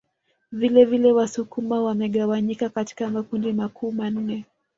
Vilevile Wasukuma wamegawanyika katika makundi makuu manne